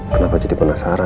kenapa jadi penasaran